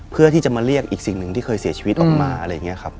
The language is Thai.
เพื่อที่จะมาเรียกอีกสิ่งหนึ่งที่เคยเสียชีวิตออกมา